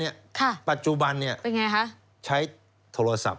นี้น้อยหรอเป็นไงครับปัจจุบันใช้โทรศัพท์